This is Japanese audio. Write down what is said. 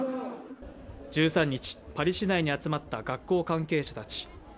１３日、パリ市内に集まった学校関係者たち。